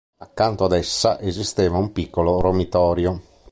Accanto ad essa esisteva un piccolo romitorio.